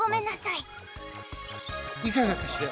いかがかしら。